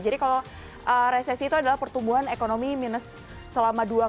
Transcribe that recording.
jadi kalau resesi itu adalah pertumbuhan ekonomi selama dua kelas